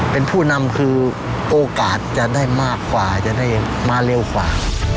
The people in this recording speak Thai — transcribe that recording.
เป็นผู้นำคือโอกาสจะได้มากกว่าจะได้มาเร็วกว่า